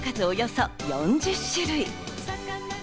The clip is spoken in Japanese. およそ４０種類。